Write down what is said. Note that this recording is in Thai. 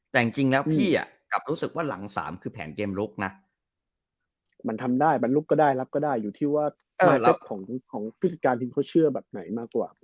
แต่จริงแล้วพี่รู้สึกว่าหลัง๓คือแผนเกมลุกนะมันทำได้บรรลุกก็ได้รับก็ได้อยู่ที่ว่าของผู้จัดการทีมเขาเชื่อแบบไหนมากกว่า